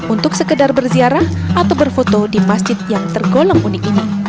untuk sekedar berziarah atau berfoto di masjid yang tergolong unik ini